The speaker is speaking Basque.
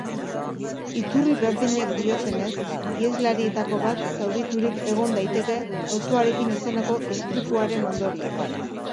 Iturri berdinek diotenez, iheslarietako bat zauriturik egon daiteke autoarekin izandako istripuaren ondorioz.